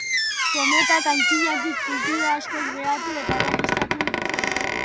Kometak antzinatik kultura askok behatu eta erregistratu dituzte.